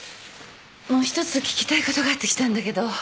もう一つ聞きたいことがあって来たんだけど。